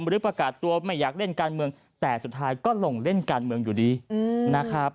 หรือประกาศตัวไม่อยากเล่นการเมืองแต่สุดท้ายก็ลงเล่นการเมืองอยู่ดีนะครับ